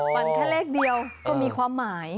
แค่เลขเดียวก็มีความหมาย